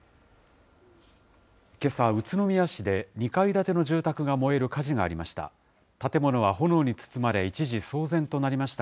けさ、宇都宮市で２階建ての住宅が燃える火事がありました。